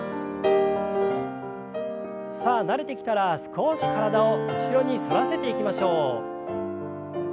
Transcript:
さあ慣れてきたら少し体を後ろに反らせていきましょう。